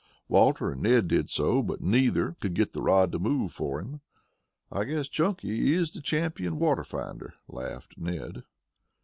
Walter and Ned did so, but neither could get the rod to move for him. "I guess Chunky is the champion water finder," laughed Ned.